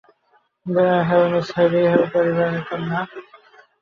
হেল, Miss Mary Hale পরিবারের কন্যা।